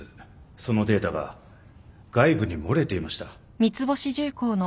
そのデータが外部に漏れていました。